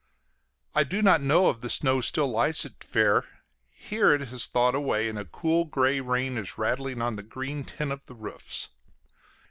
I do not know if the snow still lies at Twer; here it has thawed away, and a cool gray rain is rattling on the green tin of the roofs.